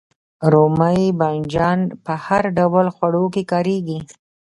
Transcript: رومی بانجان په هر ډول خوړو کې کاریږي